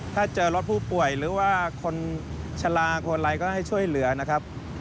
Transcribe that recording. ถ้าเจอรถผู้ป่วยหรือว่าคนชะลาคนอะไรก็ให้ช่วยเหลือนะครับ